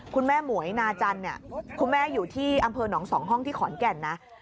คุณแม่หมวยนาจันคุณแม่อยู่ที่อำเภอหนอง๒ห้องที่ขอนแก่นนะ